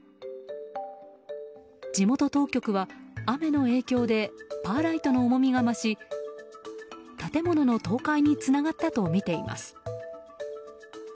地元当局は雨の影響でパーライトの重みが増し建物の倒壊につながったとみています。